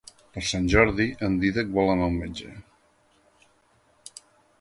Per Sant Jordi en Dídac vol anar al metge.